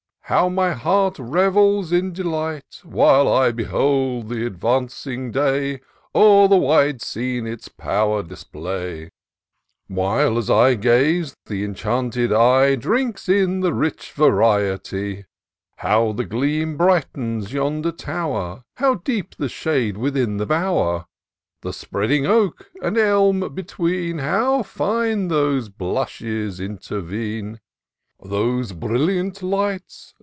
How my heart revels in delight. While I behold th' advancing day O'er the wide scene its power display ; While, as I gaze, th' enchanted eye Drinks in the rich variety ! How the gleam brightens yonder tower ! How deep the shade within the bower ! The spreading oak and elm between, How fine those blushes intervene ! Those brilliant lights